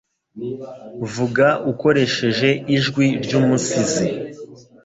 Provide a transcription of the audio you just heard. Vuga ukoresheje ijwi ry'umusizi